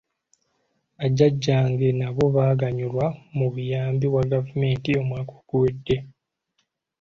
Bajjajjange nabo baaganyulwa mu buyambi bwa gavumenti omwaka oguwedde.